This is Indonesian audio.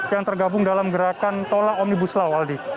yang tergabung dalam gerakan tolak omnibus law aldi